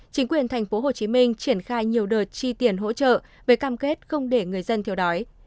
chính quyền tp hcm triển khai nhiều đợt chi tiền hỗ trợ về cam kết không để người dân thiếu đói